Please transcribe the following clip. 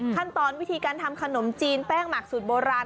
ขั้นตอนวิธีการทำขนมจีนแป้งหมักสูตรโบราณ